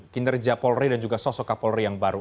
kinerja polri dan juga sosok kapolri yang baru